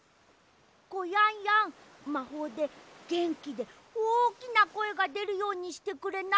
コヤンヤンまほうでげんきでおおきなこえがでるようにしてくれない？